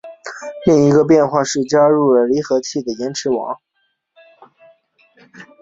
另一个变化是加入了离合器的释放延迟阀。